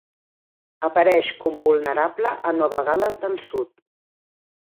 Apareix com vulnerable a Nova Gal·les del Sud.